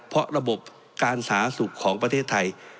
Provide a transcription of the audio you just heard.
เพราะระบบการสาธารณสุขของประเทศไทย